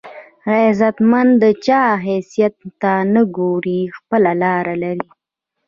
غیرتمند د چا حیثیت ته نه ګوري، خپله لار لري